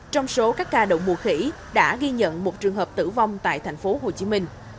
trong số các ca động mùa khỉ đã ghi nhận một trường hợp tử vong tại tp hcm